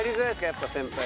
やっぱ先輩。